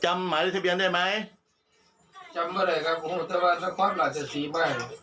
จำหมายรถทะเบียนได้ไหม